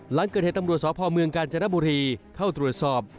หลังเกิดเหตุตำรวจสพเมืองกาญจนบุรีเข้าตรวจสอบ